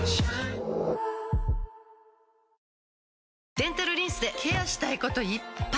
デンタルリンスでケアしたいこといっぱい！